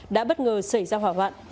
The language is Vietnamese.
đã bất ngờ xảy ra hỏa hoạn